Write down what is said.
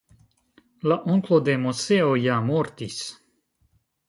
La onklo de Moseo ja mortis.